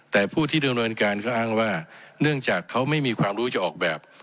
แต่ผู้ที่ดำเนินการก็อ้างว่าเนื่องจากเขาไม่มีความรู้จะออกแบบ